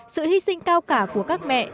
sự hy sinh cao cả của các mẹ